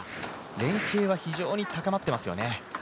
連係は非常に高まってますよね。